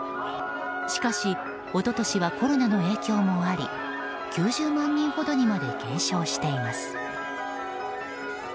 しかし、一昨年はコロナの影響もあり９０万人ほどにまで減少しています。